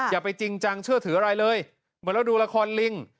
อย่าไปจริงจังเชื่อถืออะไรเลยเหมือนเราดูละครลิง